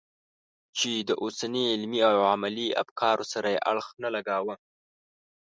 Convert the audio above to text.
چې د اوسني علمي او عملي افکارو سره یې اړخ نه لګاوه.